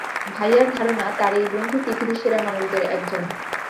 ভাইয়ার ধারণা, তার এই বন্ধু পৃথিবীর সেরা মানুষদের একজন।